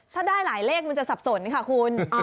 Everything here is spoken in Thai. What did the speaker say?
ถ้าได้หลายเลขมันจะสับสนค่ะคุณ